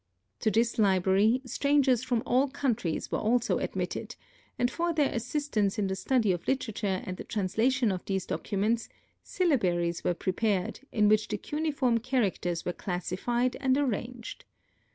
To this library, strangers from all countries were also admitted, and for their assistance in the study of literature and the translation of these documents, syllabaries were prepared in which the cuneiform characters were classified and arranged.